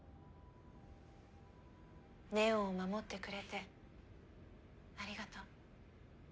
祢音を守ってくれてありがとう。